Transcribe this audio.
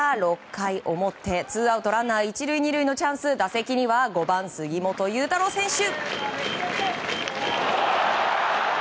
６回表ツーアウトランナー１塁、２塁のチャンスで打席には５番杉本裕太郎選手。